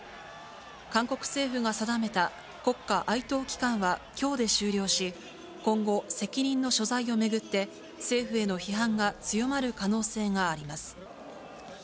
韓国政府が定めた、国家哀悼期間はきょうで終了し、今後、責任の所在を巡って、政府への批判が強まる可能性があります。